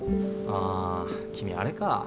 あ君あれか。